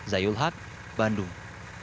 zayul hak bandung